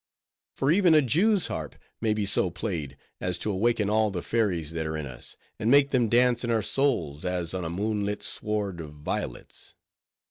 For even a Jew's harp may be so played, as to awaken all the fairies that are in us, and make them dance in our souls, as on a moon lit sward of violets.